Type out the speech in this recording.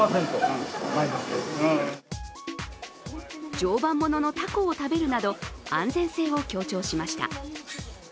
常磐もののたこを食べるなど安全性を強調しました。